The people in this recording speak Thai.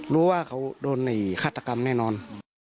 รู้ว่าเขาโดนฆาตกรรมแน่นอน